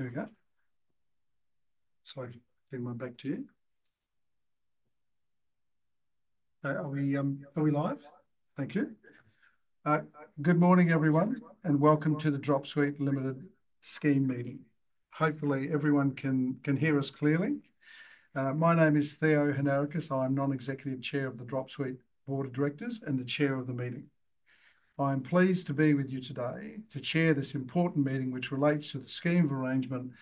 There we go. Sorry, bringing my back to you. Are we live? Thank you. Good morning, everyone, and welcome to the Dropsuite Limited Scheme meeting. Hopefully, everyone can hear us clearly. My name is Theo Hnarakis. I am Non-Executive Chair of the Dropsuite Board of Directors and the Chair of the meeting. I am pleased to be with you today to chair this important meeting which relates to the scheme of arrangement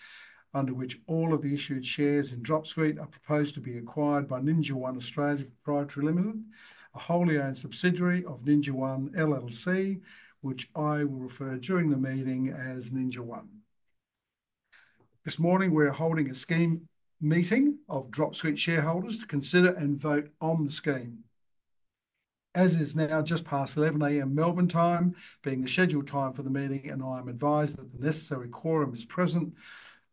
under which all of the issued shares in Dropsuite are proposed to be acquired by Ninja One Australia Proprietary Limited, a wholly owned subsidiary of Ninja One LLC, which I will refer during the meeting as Ninja One. This morning, we are holding a scheme meeting of Dropsuite shareholders to consider and vote on the scheme. As it is now just past 11:00 A.M. Melbourne time, being the scheduled time for the meeting, and I am advised that the necessary quorum is present,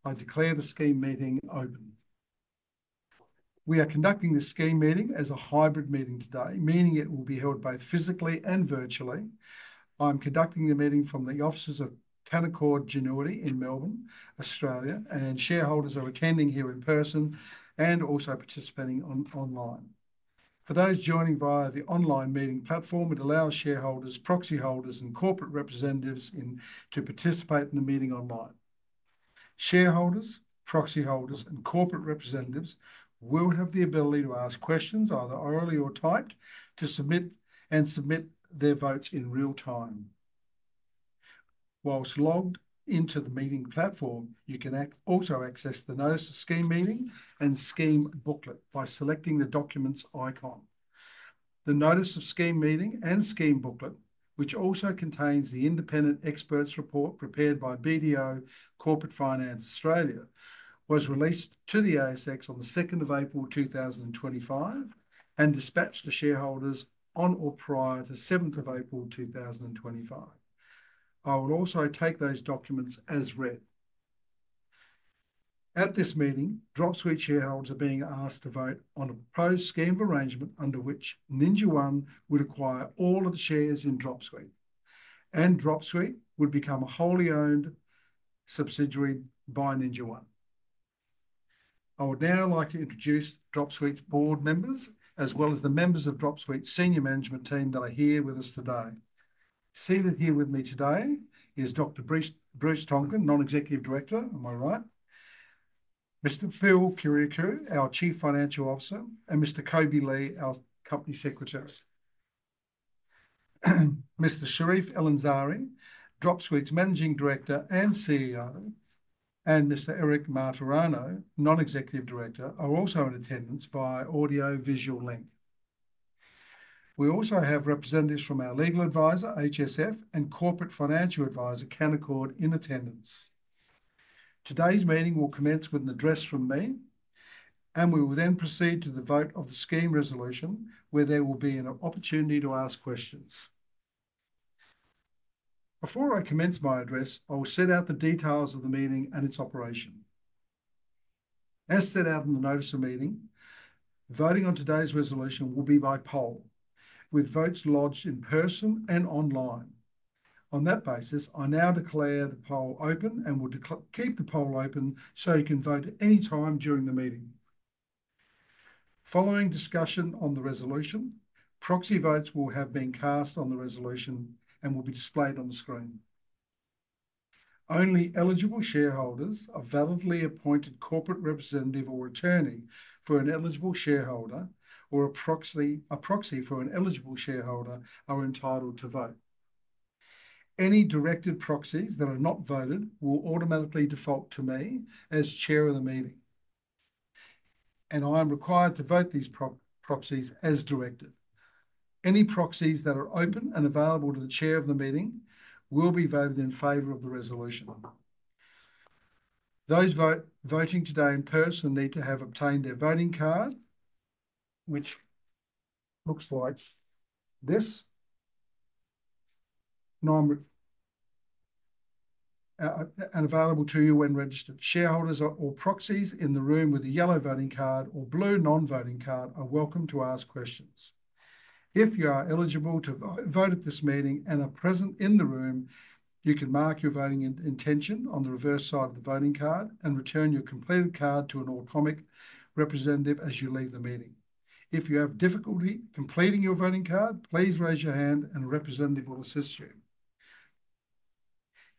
I declare the scheme meeting open. We are conducting this scheme meeting as a hybrid meeting today, meaning it will be held both physically and virtually. I'm conducting the meeting from the offices of Canaccord Genuity in Melbourne, Australia, and shareholders are attending here in person and also participating online. For those joining via the online meeting platform, it allows shareholders, proxy holders, and corporate representatives to participate in the meeting online. Shareholders, proxy holders, and corporate representatives will have the ability to ask questions, either orally or typed, and submit their votes in real time. Whilst logged into the meeting platform, you can also access the Notice of Scheme Meeting and Scheme Booklet by selecting the documents icon. The Notice of Scheme Meeting and Scheme Booklet, which also contains the independent expert's report prepared by BDO Corporate Finance Australia, was released to the ASX on the 2nd of April 2025 and dispatched to shareholders on or prior to the 7th of April 2025. I will also take those documents as read. At this meeting, Dropsuite shareholders are being asked to vote on a proposed scheme of arrangement under which Ninja One would acquire all of the shares in Dropsuite and Dropsuite would become a wholly owned subsidiary by Ninja One. I would now like to introduce Dropsuite's board members as well as the members of Dropsuite's senior management team that are here with us today. Seated here with me today is Dr. Bruce Tonkin, Non-Executive Director, am I right? Mr. Bill Kyriacou, our Chief Financial Officer, and Mr. Kobe Li, our Company Secretary. Mr. Charif El-Ansari, Dropsuite's Managing Director and CEO, and Mr. Eric Martorano, Non-Executive Director, are also in attendance via audio-visual link. We also have representatives from our legal advisor, HSF, and corporate financial advisor, Canaccord, in attendance. Today's meeting will commence with an address from me, and we will then proceed to the vote of the scheme resolution, where there will be an opportunity to ask questions. Before I commence my address, I will set out the details of the meeting and its operation. As set out in the Notice of Meeting, voting on today's resolution will be by poll, with votes lodged in person and online. On that basis, I now declare the poll open and will keep the poll open so you can vote at any time during the meeting. Following discussion on the resolution, proxy votes will have been cast on the resolution and will be displayed on the screen. Only eligible shareholders, a validly appointed corporate representative or attorney for an eligible shareholder, or a proxy for an eligible shareholder, are entitled to vote. Any directed proxies that are not voted will automatically default to me as Chair of the meeting, and I am required to vote these proxies as directed. Any proxies that are open and available to the Chair of the meeting will be voted in favor of the resolution. Those voting today in person need to have obtained their voting card, which looks like this, and available to you when registered. Shareholders or proxies in the room with a yellow voting card or blue non-voting card are welcome to ask questions. If you are eligible to vote at this meeting and are present in the room, you can mark your voting intention on the reverse side of the voting card and return your completed card to an Automic representative as you leave the meeting. If you have difficulty completing your voting card, please raise your hand and a representative will assist you.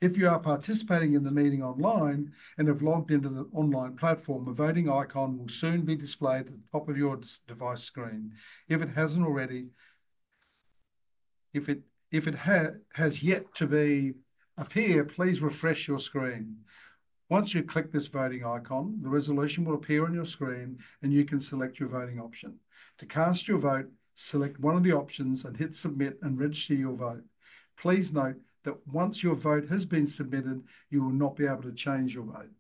If you are participating in the meeting online and have logged into the online platform, a voting icon will soon be displayed at the top of your device screen. If it has not already appeared, please refresh your screen. Once you click this voting icon, the resolution will appear on your screen and you can select your voting option. To cast your vote, select one of the options and hit submit and register your vote. Please note that once your vote has been submitted, you will not be able to change your vote.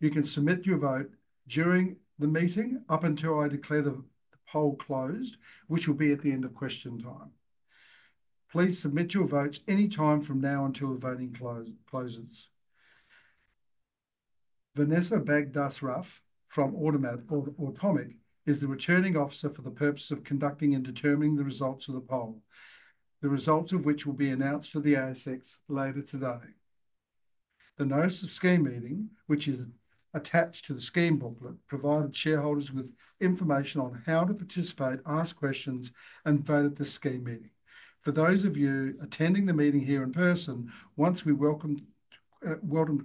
You can submit your vote during the meeting up until I declare the poll closed, which will be at the end of question time. Please submit your votes anytime from now until the voting closes. Vanessa Bagdas-Ruff from Automic is the returning officer for the purpose of conducting and determining the results of the poll, the results of which will be announced to the ASX later today. The Notice of Scheme Meeting, which is attached to the scheme booklet, provided shareholders with information on how to participate, ask questions, and vote at this scheme meeting. For those of you attending the meeting here in person, once we welcome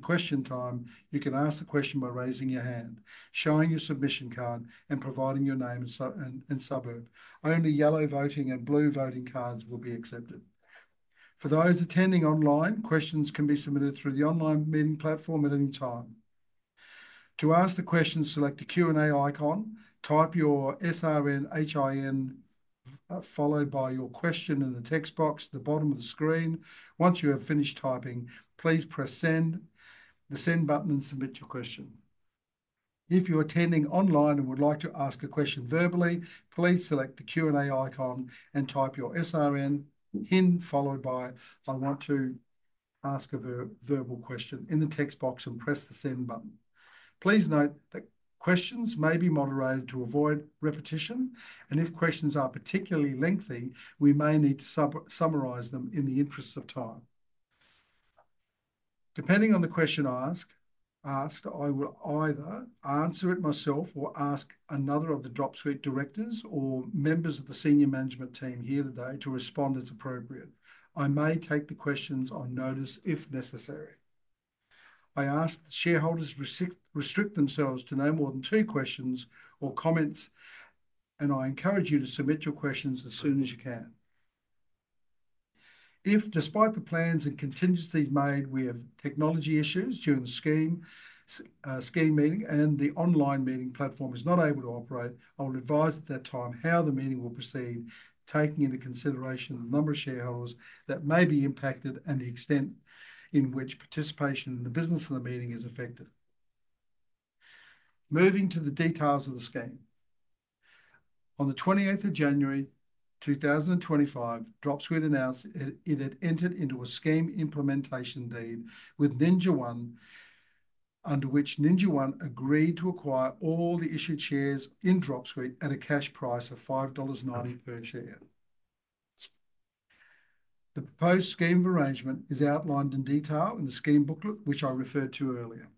question time, you can ask the question by raising your hand, showing your submission card, and providing your name and suburb. Only yellow voting and blue voting cards will be accepted. For those attending online, questions can be submitted through the online meeting platform at any time. To ask the question, select the Q&A icon, type your SRN, HIN, followed by your question in the text box at the bottom of the screen. Once you have finished typing, please press the send button and submit your question. If you're attending online and would like to ask a question verbally, please select the Q&A icon and type your SRN, HIN, followed by, "I want to ask a verbal question," in the text box and press the send button. Please note that questions may be moderated to avoid repetition, and if questions are particularly lengthy, we may need to summarize them in the interest of time. Depending on the question asked, I will either answer it myself or ask another of the Dropsuite directors or members of the senior management team here today to respond as appropriate. I may take the questions on notice if necessary. I ask that shareholders restrict themselves to no more than two questions or comments, and I encourage you to submit your questions as soon as you can. If, despite the plans and contingencies made, we have technology issues during the scheme meeting and the online meeting platform is not able to operate, I will advise at that time how the meeting will proceed, taking into consideration the number of shareholders that may be impacted and the extent in which participation in the business of the meeting is affected. Moving to the details of the scheme. On the 28th of January 2025, Dropsuite announced it had entered into a scheme implementation deal with Ninja One, under which Ninja One agreed to acquire all the issued shares in Dropsuite at a cash price of 5.90 dollars per share. The proposed scheme of arrangement is outlined in detail in the scheme booklet, which I referred to earlier.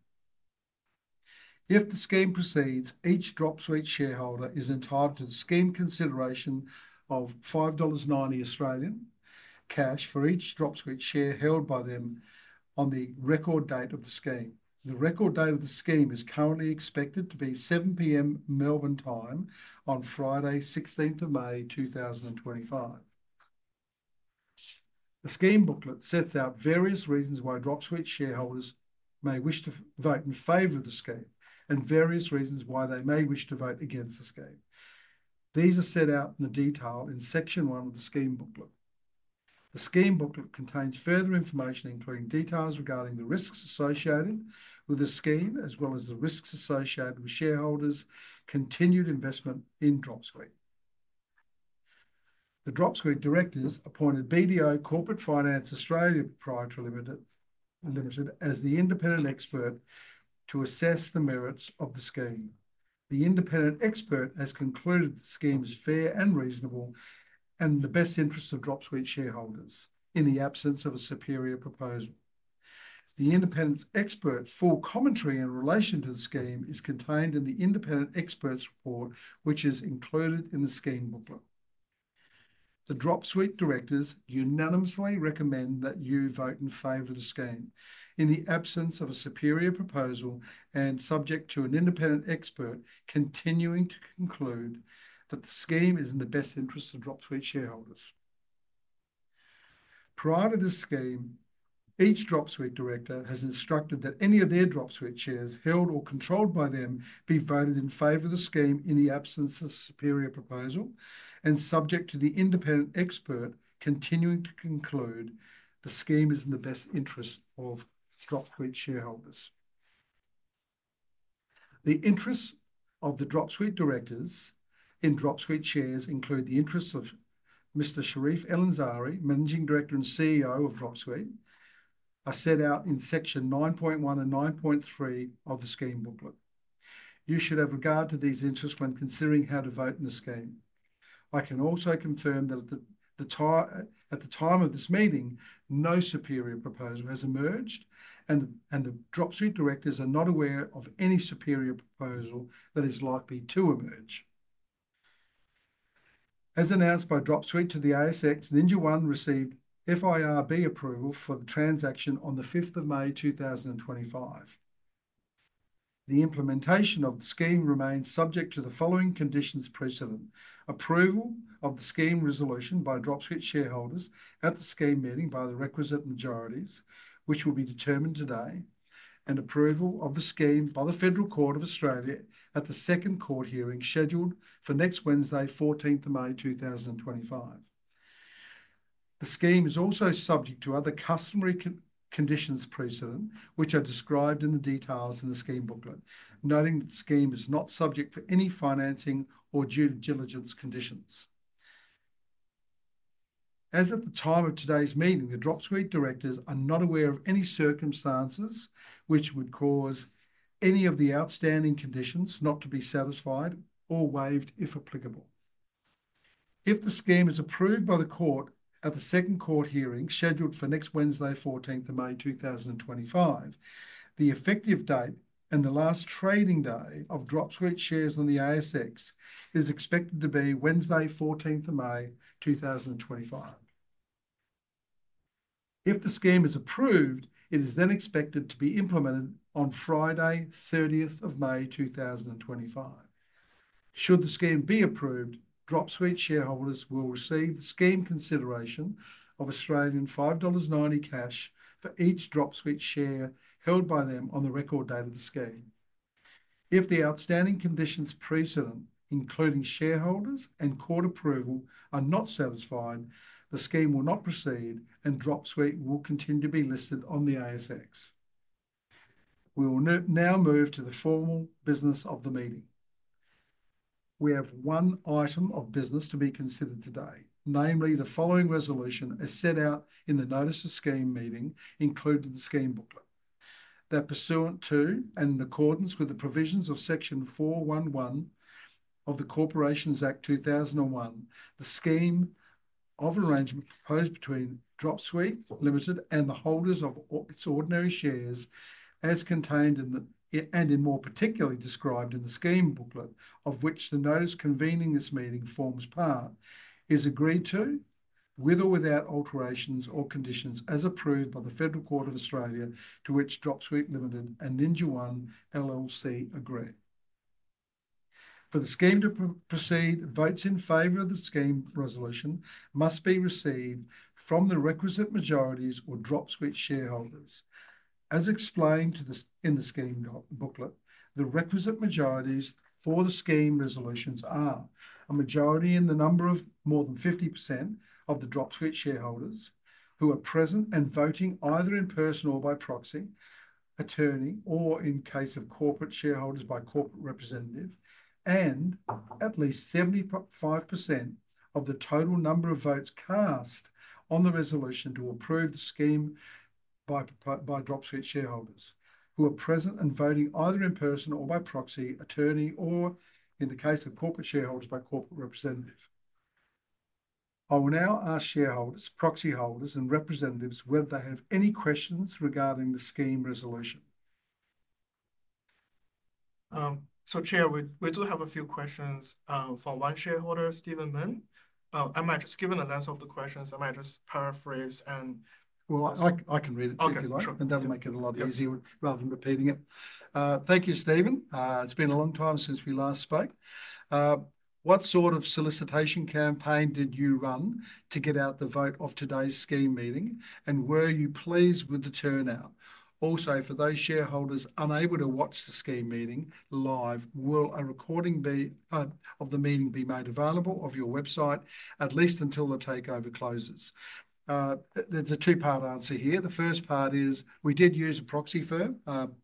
If the scheme proceeds, each Dropsuite shareholder is entitled to the scheme consideration of 5.90 Australian dollars cash for each Dropsuite share held by them on the record date of the scheme. The record date of the scheme is currently expected to be 7:00 P.M. Melbourne time on Friday, 16th of May 2025. The scheme booklet sets out various reasons why Dropsuite shareholders may wish to vote in favor of the scheme and various reasons why they may wish to vote against the scheme. These are set out in detail in section one of the scheme booklet. The scheme booklet contains further information, including details regarding the risks associated with the scheme, as well as the risks associated with shareholders' continued investment in Dropsuite. The Dropsuite directors appointed BDO Corporate Finance Australia Proprietary Limited as the independent expert to assess the merits of the scheme. The independent expert has concluded the scheme is fair and reasonable and in the best interests of Dropsuite shareholders in the absence of a superior proposal. The independent expert's full commentary in relation to the scheme is contained in the independent expert's report, which is included in the scheme booklet. The Dropsuite directors unanimously recommend that you vote in favor of the scheme in the absence of a superior proposal and subject to an independent expert continuing to conclude that the scheme is in the best interests of Dropsuite shareholders. Prior to this scheme, each Dropsuite director has instructed that any of their Dropsuite shares held or controlled by them be voted in favor of the scheme in the absence of a superior proposal and subject to the independent expert continuing to conclude the scheme is in the best interests of Dropsuite shareholders. The interests of the Dropsuite directors in Dropsuite shares include the interests of Mr. Charif El-Ansari, Managing Director and CEO of Dropsuite, as set out in section 9.1 and 9.3 of the scheme booklet. You should have regard to these interests when considering how to vote in the scheme. I can also confirm that at the time of this meeting, no superior proposal has emerged, and the Dropsuite directors are not aware of any superior proposal that is likely to emerge. As announced by Dropsuite to the ASX, Ninja One received FIRB approval for the transaction on the 5th of May 2025. The implementation of the scheme remains subject to the following conditions precedent: approval of the scheme resolution by Dropsuite shareholders at the scheme meeting by the requisite majorities, which will be determined today, and approval of the scheme by the Federal Court of Australia at the second court hearing scheduled for next Wednesday, 14th of May 2025. The scheme is also subject to other customary conditions precedent, which are described in the details in the scheme booklet, noting that the scheme is not subject to any financing or due diligence conditions. As at the time of today's meeting, the Dropsuite directors are not aware of any circumstances which would cause any of the outstanding conditions not to be satisfied or waived if applicable. If the scheme is approved by the court at the second court hearing scheduled for next Wednesday, 14th of May 2025, the effective date and the last trading day of Dropsuite shares on the ASX is expected to be Wednesday, 14th of May 2025. If the scheme is approved, it is then expected to be implemented on Friday, 30th of May 2025. Should the scheme be approved, Dropsuite shareholders will receive the scheme consideration of 5.90 Australian dollars cash for each Dropsuite share held by them on the record date of the scheme. If the outstanding conditions precedent, including shareholders and court approval, are not satisfied, the scheme will not proceed and Dropsuite will continue to be listed on the ASX. We will now move to the formal business of the meeting. We have one item of business to be considered today, namely the following resolution as set out in the Notice of Scheme Meeting included in the scheme booklet. That pursuant to and in accordance with the provisions of section 411 of the Corporations Act 2001, the scheme of arrangement proposed between Dropsuite Limited and the holders of its ordinary shares, as contained and in more particularly described in the scheme booklet of which the notice convening this meeting forms part, is agreed to with or without alterations or conditions as approved by the Federal Court of Australia to which Dropsuite Limited and Ninja One LLC agree. For the scheme to proceed, votes in favor of the scheme resolution must be received from the requisite majorities of Dropsuite shareholders. As explained in the scheme booklet, the requisite majorities for the scheme resolutions are a majority in the number of more than 50% of the Dropsuite shareholders who are present and voting either in person or by proxy, attorney, or in case of corporate shareholders by corporate representative, and at least 75% of the total number of votes cast on the resolution to approve the scheme by Dropsuite shareholders who are present and voting either in person or by proxy, attorney, or in the case of corporate shareholders by corporate representative. I will now ask shareholders, proxy holders, and representatives whether they have any questions regarding the scheme resolution. Chair, we do have a few questions for one shareholder, Stephen Minn. I might just give an answer to the questions. I might just paraphrase. I can read it if you like, and that'll make it a lot easier rather than repeating it. Thank you, Stephen. It's been a long time since we last spoke. What sort of solicitation campaign did you run to get out the vote of today's scheme meeting, and were you pleased with the turnout? Also, for those shareholders unable to watch the scheme meeting live, will a recording of the meeting be made available on your website at least until the takeover closes? There's a two-part answer here. The first part is we did use a proxy firm.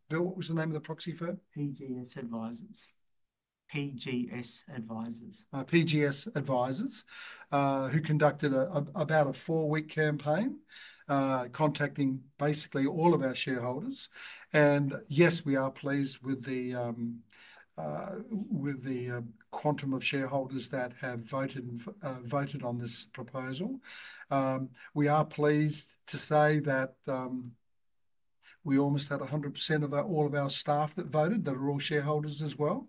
Bill, what was the name of the proxy firm? PGS Advisers. PGS Advisers. PGS Advisers, who conducted about a four-week campaign contacting basically all of our shareholders. Yes, we are pleased with the quantum of shareholders that have voted on this proposal. We are pleased to say that we almost had 100% of all of our staff that voted that are all shareholders as well.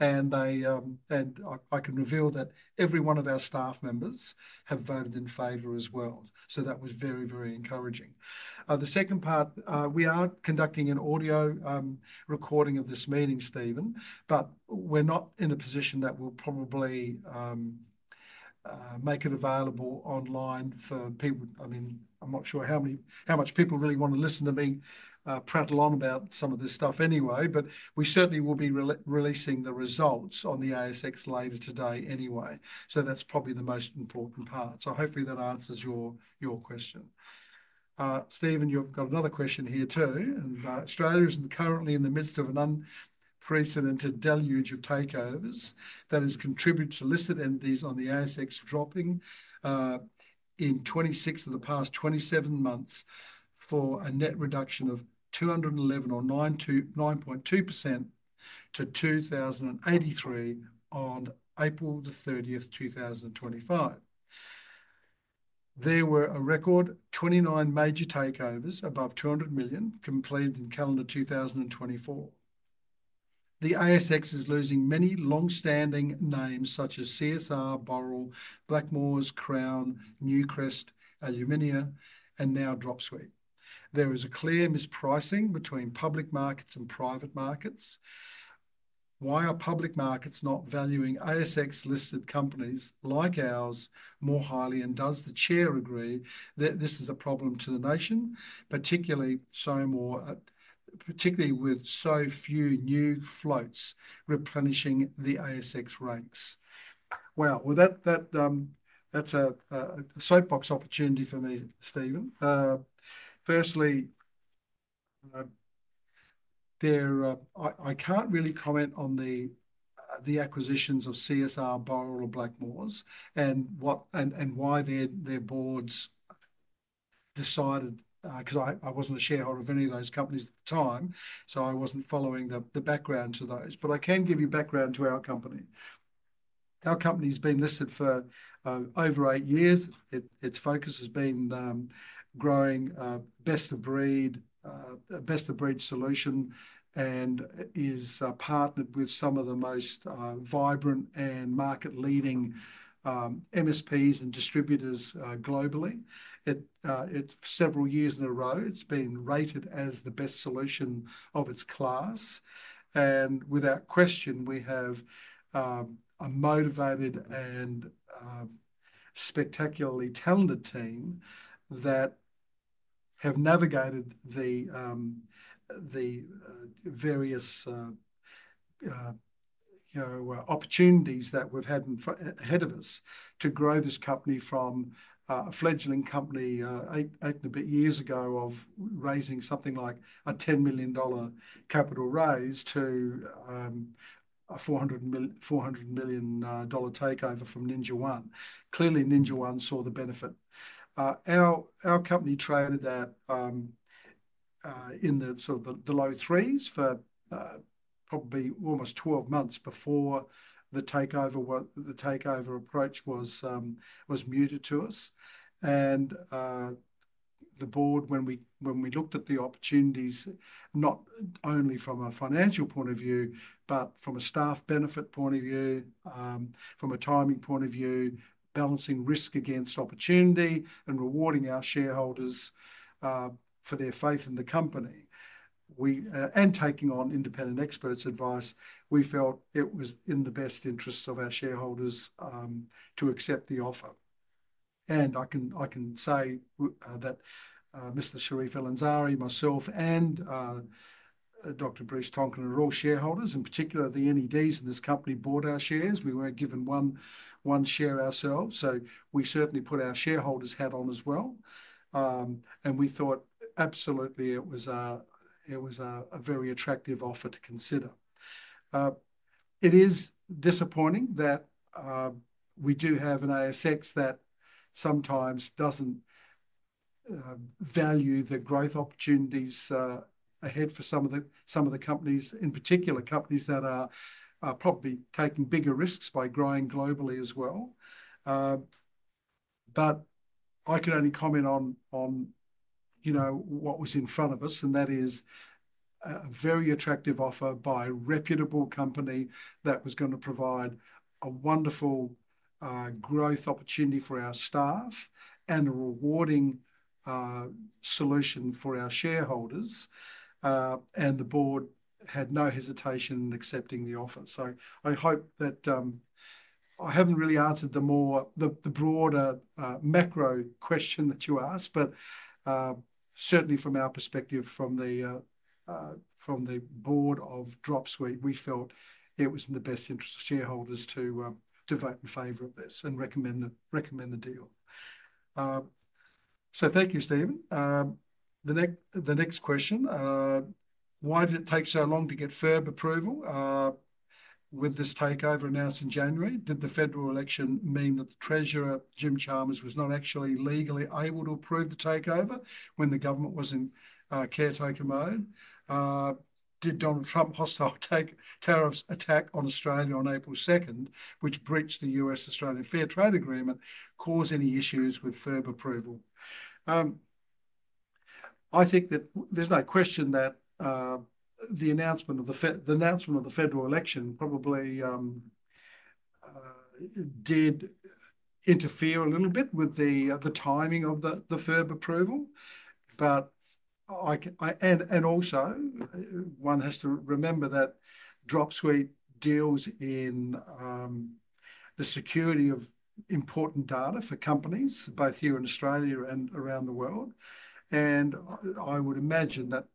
I can reveal that every one of our staff members have voted in favor as well. That was very, very encouraging. The second part, we are conducting an audio recording of this meeting, Stephen, but we're not in a position that will probably make it available online for people. I mean, I'm not sure how much people really want to listen to me prattle on about some of this stuff anyway, but we certainly will be releasing the results on the ASX later today anyway. That's probably the most important part. Hopefully that answers your question. Stephen, you've got another question here too. Australia is currently in the midst of an unprecedented deluge of takeovers that has contributed to listed entities on the ASX dropping in 26 of the past 27 months for a net reduction of 211 or 9.2% to 2,083 on April the 30th, 2025. There were a record 29 major takeovers above 200 million completed in calendar 2024. The ASX is losing many long-standing names such as CSR, Boral, Blackmores, Crown, Newcrest, Illumina, and now Dropsuite. There is a clear mispricing between public markets and private markets. Why are public markets not valuing ASX-listed companies like ours more highly, and does the Chair agree that this is a problem to the nation, particularly with so few new floats replenishing the ASX ranks? That is a soapbox opportunity for me, Stephen. Firstly, I can't really comment on the acquisitions of CSR, Boral, or Blackmore's and why their boards decided because I wasn't a shareholder of any of those companies at the time, so I wasn't following the background to those. I can give you background to our company. Our company has been listed for over eight years. Its focus has been growing best-of-breed solution and is partnered with some of the most vibrant and market-leading MSPs and distributors globally. For several years in a row, it's been rated as the best solution of its class. Without question, we have a motivated and spectacularly talented team that have navigated the various opportunities that we've had ahead of us to grow this company from a fledgling company eight and a bit years ago of raising something like 10 million dollar capital raise to a 400 million dollar takeover from Ninja One. Clearly, Ninja One saw the benefit. Our company traded that in the sort of the low threes for probably almost 12 months before the takeover approach was mooted to us. The board, when we looked at the opportunities, not only from a financial point of view, but from a staff benefit point of view, from a timing point of view, balancing risk against opportunity and rewarding our shareholders for their faith in the company, and taking on independent experts' advice, we felt it was in the best interests of our shareholders to accept the offer. I can say that Mr. Charif El-Ansari, myself, and Dr. Bruce Tonkin are all shareholders. In particular, the NEDs in this company bought our shares. We were given one share ourselves, so we certainly put our shareholders' hat on as well. We thought absolutely it was a very attractive offer to consider. It is disappointing that we do have an ASX that sometimes does not value the growth opportunities ahead for some of the companies, in particular companies that are probably taking bigger risks by growing globally as well. I can only comment on what was in front of us, and that is a very attractive offer by a reputable company that was going to provide a wonderful growth opportunity for our staff and a rewarding solution for our shareholders. The board had no hesitation in accepting the offer. I hope that I have not really answered the broader macro question that you asked, but certainly from our perspective from the board of Dropsuite, we felt it was in the best interest of shareholders to vote in favor of this and recommend the deal. Thank you, Stephen. The next question, why did it take so long to get FIRB approval with this takeover announced in January? Did the federal election mean that the Treasurer, Jim Chalmers, was not actually legally able to approve the takeover when the government was in caretaker mode? Did Donald Trump's hostile tariffs attack on Australia on April 2, which breached the US-Australian Fair Trade Agreement, cause any issues with FIRB approval? I think that there's no question that the announcement of the federal election probably did interfere a little bit with the timing of the FIRB approval. Also, one has to remember that Dropsuite deals in the security of important data for companies, both here in Australia and around the world. I would imagine that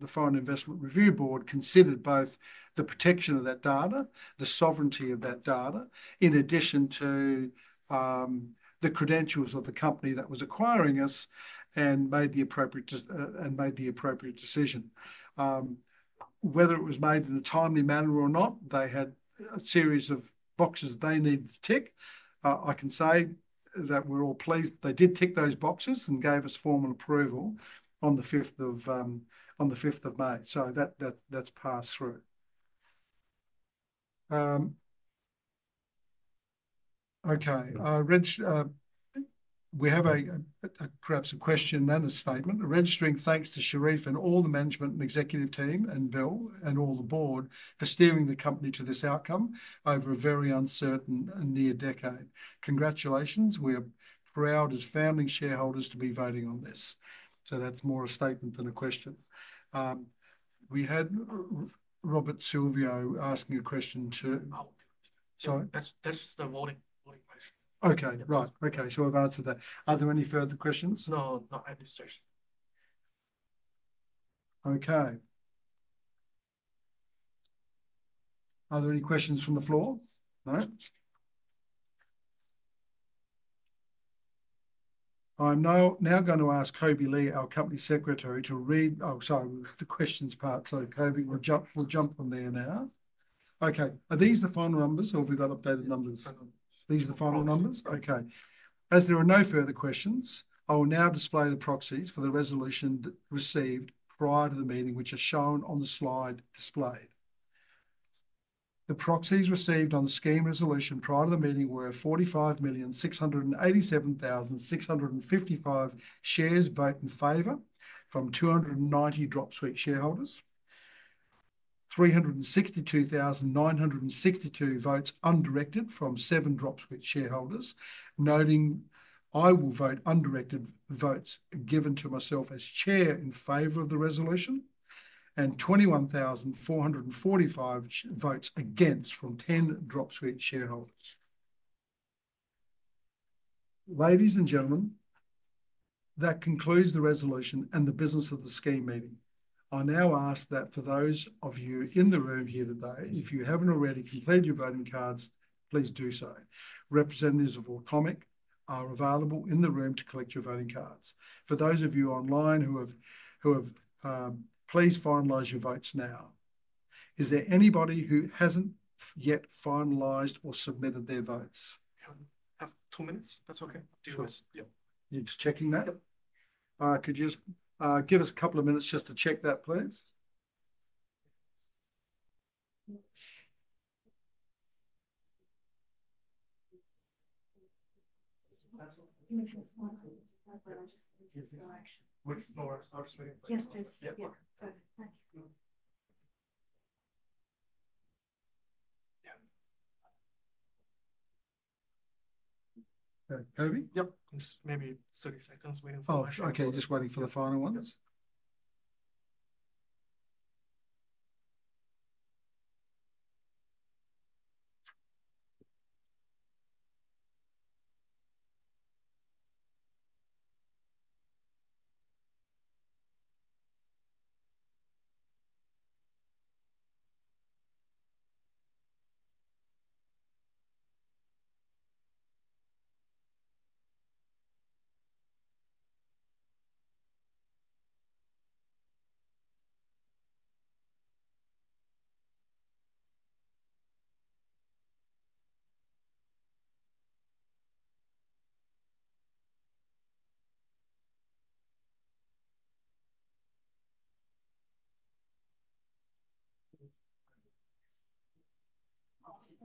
the Foreign Investment Review Board considered both the protection of that data, the sovereignty of that data, in addition to the credentials of the company that was acquiring us and made the appropriate decision. Whether it was made in a timely manner or not, they had a series of boxes they needed to tick. I can say that we're all pleased that they did tick those boxes and gave us formal approval on the 5th of May. That's passed through. Okay. We have perhaps a question and a statement. Registering thanks to Charif and all the management and executive team and Bill and all the board for steering the company to this outcome over a very uncertain and near decade. Congratulations. We are proud as founding shareholders to be voting on this. That's more a statement than a question. We had Robert Silvio asking a question too. Sorry. That's just a voting question. Okay. Right. Okay. So I've answered that. Are there any further questions? No, not at this stage. Okay. Are there any questions from the floor? No? I'm now going to ask Kobe Lee, our Company Secretary, to read—oh, sorry, the questions part. So Kobe, we'll jump from there now. Okay. Are these the final numbers, or have we got updated numbers? These are the final numbers? Okay. As there are no further questions, I will now display the proxies for the resolution received prior to the meeting, which are shown on the slide displayed. The proxies received on the scheme resolution prior to the meeting were 45,687,655 shares voted in favor from 290 Dropsuite shareholders, 362,962 votes undirected from seven Dropsuite shareholders, noting, "I will vote undirected votes given to myself as Chair in favor of the resolution," and 21,445 votes against from 10 Dropsuite shareholders. Ladies and gentlemen, that concludes the resolution and the business of the scheme meeting. I now ask that for those of you in the room here today, if you have not already completed your voting cards, please do so. Representatives of Automic are available in the room to collect your voting cards. For those of you online who have—please finalize your votes now. Is there anybody who has not yet finalized or submitted their votes? Have two minutes? That is okay. Do you want to—Yep. You are just checking that? Yep. Could you just give us a couple of minutes just to check that, please? Yes, please. Yep. Perfect. Thank you. Kobe? Yep. Just maybe 30 seconds waiting for my show. Okay. Just waiting for the final ones.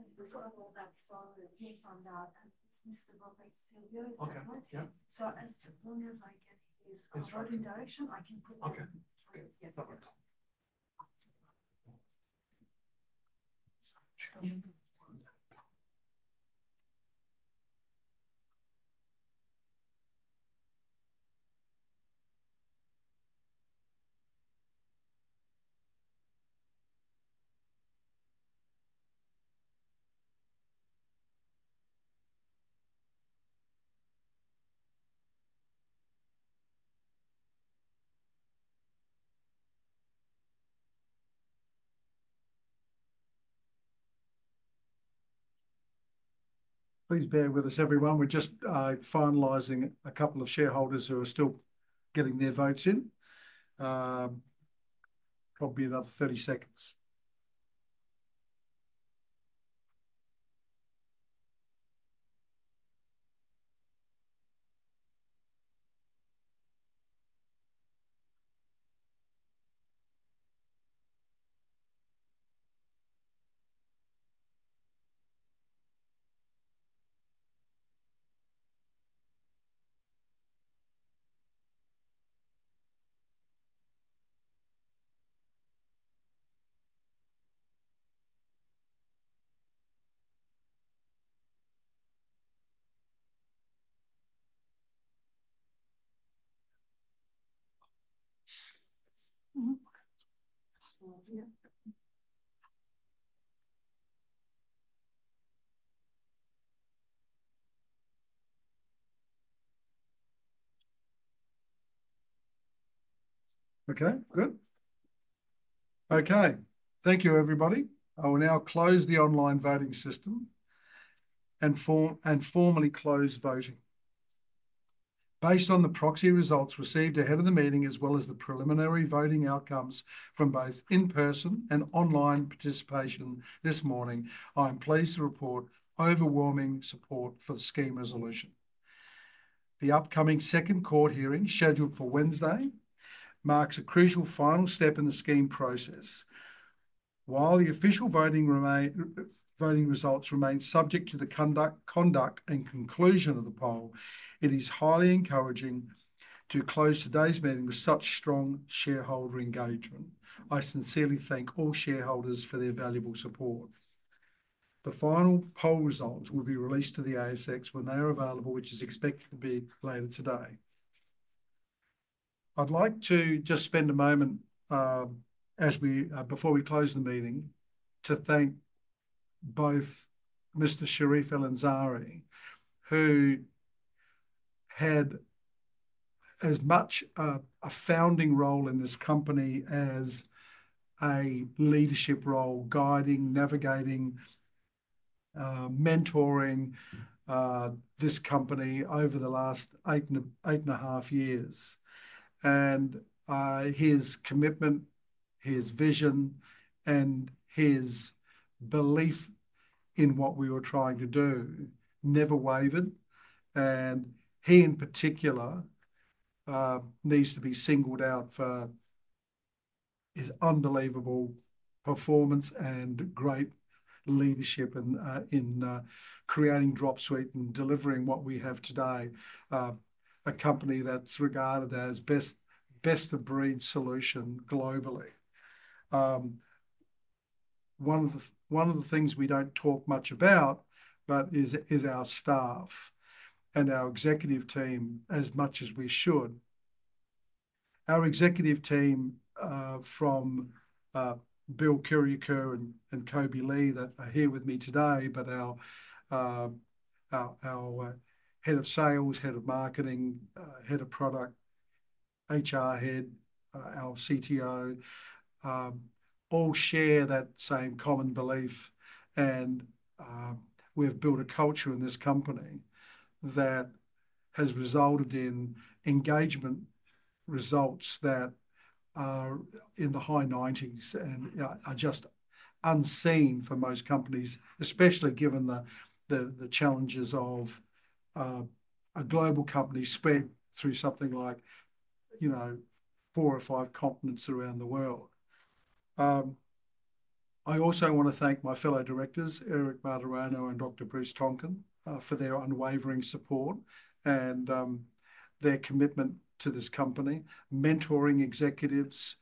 Okay. I'm just going to record all that so I can get from Mr. Robert Silvio's end. As long as I get his voting direction, I can put that. Okay. Perfect. Please bear with us, everyone. We're just finalizing a couple of shareholders who are still getting their votes in. Probably another 30 seconds. Okay. Good. Okay. Thank you, everybody. I will now close the online voting system and formally close voting. Based on the proxy results received ahead of the meeting, as well as the preliminary voting outcomes from both in-person and online participation this morning, I am pleased to report overwhelming support for the scheme resolution. The upcoming second court hearing, scheduled for Wednesday, marks a crucial final step in the scheme process. While the official voting results remain subject to the conduct and conclusion of the poll, it is highly encouraging to close today's meeting with such strong shareholder engagement. I sincerely thank all shareholders for their valuable support. The final poll results will be released to the ASX when they are available, which is expected to be later today. I'd like to just spend a moment before we close the meeting to thank both Mr. Charif El-Ansari, who had as much a founding role in this company as a leadership role, guiding, navigating, mentoring this company over the last eight and a half years. His commitment, his vision, and his belief in what we were trying to do never wavered. He, in particular, needs to be singled out for his unbelievable performance and great leadership in creating Dropsuite and delivering what we have today, a company that's regarded as best of breed solution globally. One of the things we do not talk much about is our staff and our executive team as much as we should. Our executive team from Bill Kyriacou and Kobe Li that are here with me today, but our head of sales, head of marketing, head of product, HR head, our CTO, all share that same common belief. We have built a culture in this company that has resulted in engagement results that are in the high 90% and are just unseen for most companies, especially given the challenges of a global company spread through something like four or five continents around the world. I also want to thank my fellow directors, Eric Martorano and Dr. Bruce Tonkin, for their unwavering support and their commitment to this company. Mentoring executives,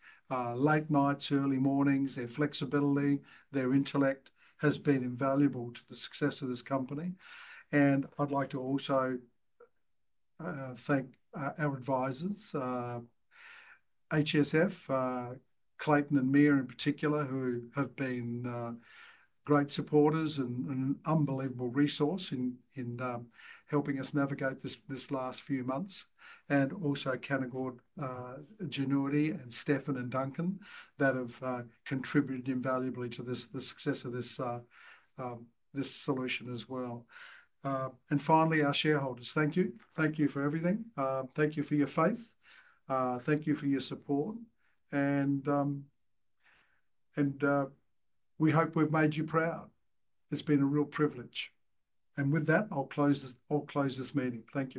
late nights, early mornings, their flexibility, their intellect has been invaluable to the success of this company. I'd like to also thank our advisors, HSF, Clayton, and Mira in particular, who have been great supporters and an unbelievable resource in helping us navigate this last few months. Also, Canaccord Genuity and Stefan and Duncan that have contributed invaluably to the success of this solution as well. Finally, our shareholders. Thank you. Thank you for everything. Thank you for your faith. Thank you for your support. We hope we've made you proud. It's been a real privilege. With that, I'll close this meeting. Thank you.